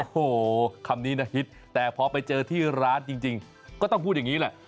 โอ้โหคำนี้นะฮิตแต่พอไปเจอที่ร้านจริงก็ต้องพูดอย่างนี้แหละ